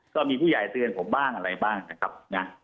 ก็มีผู้ใหญ่เตือนผมบ้างอะไรบ้างนะครับนะ